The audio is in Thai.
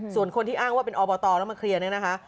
ส่วนคนที่อ้างว่าเป็นอบตแล้วมาเคลียร์เนี่ยนะคะ